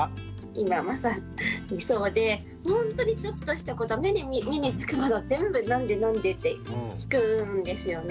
今まさにそうでほんとにちょっとしたこと目につくもの全部「なんでなんで？」って聞くんですよね。